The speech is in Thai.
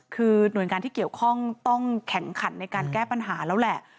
คือหน่วยงานที่เกี่ยวข้องต้องแข็งขันในการแก้ปัญหาแล้วแหละ